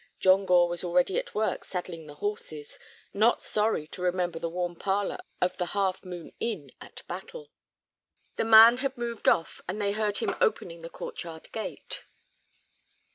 John Gore was already at work saddling the horses, not sorry to remember the warm parlor of The Half Moon Inn at Battle. The man had moved off, and they heard him opening the court yard gate.